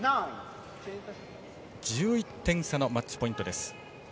１１点差のマッチポイントです。